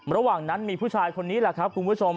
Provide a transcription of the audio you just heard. ระหว่างนั้นมีผู้ชายคนนี้แหละครับคุณผู้ชม